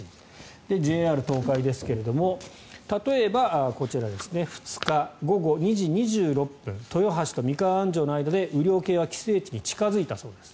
そしてＪＲ東海ですが例えば、２日午後２時２６分豊橋と三河安城の間で雨量計が規制値に近付いたそうです。